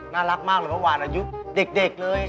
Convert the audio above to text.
น่ารักมากหรือว่าวานอายุเด็กเลย